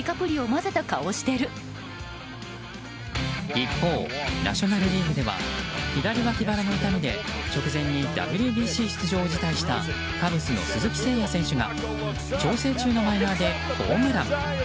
一方、ナショナル・リーグでは左わき腹の痛みで直前にＷＢＣ出場を辞退したカブスの鈴木誠也選手が調整中のマイナーでホームラン。